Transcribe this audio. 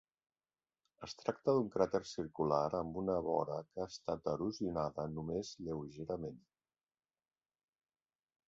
Es tracta d'un cràter circular amb una vora que ha estat erosionada només lleugerament.